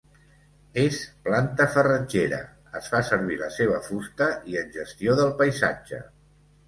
És planta farratgera, es fa servir la seva fusta i en gestió del paisatge.